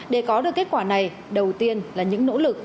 để có được kết quả này đầu tiên là những nỗ lực